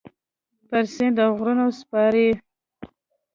پر سیند اوغرونو سپارې